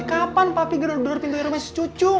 kapan papi genar genar pintunya rumah si cucu